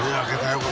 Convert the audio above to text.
これ。